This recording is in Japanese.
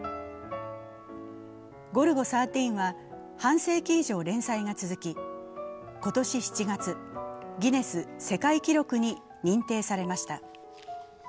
「ゴルゴ１３」は半世紀以上連載が続き今年７月、ギネス世界記録に認定されました。